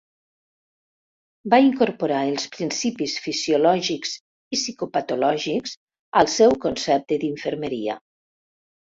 Va incorporar els principis fisiològics i psicopatològics al seu concepte d’infermeria.